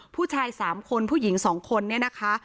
ผู้ชาย๓คนผู้หญิง๒คนเนี่ยนะคะ